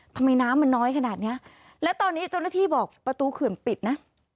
ทำไมน้ำมันน้อยขนาดเนี้ยและตอนนี้เจ้าหน้าที่บอกประตูเขื่อนปิดนะ